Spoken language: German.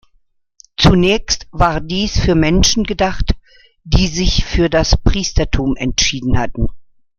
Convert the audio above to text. Zunächst war dies für Menschen gedacht, die sich für das Priestertum entschieden hatten.